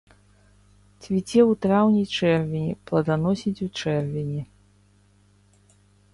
Цвіце ў траўні-чэрвені, пладаносіць у чэрвені.